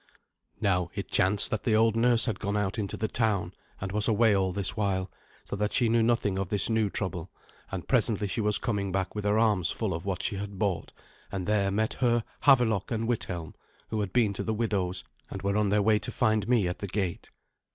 Now, it chanced that the old nurse had gone out into the town, and was away all this while, so that she knew nothing of this new trouble; and presently she was coming back with her arms full of what she had bought, and there met her Havelok and Withelm, who had been to the widow's, and were on their way to find me at the gate.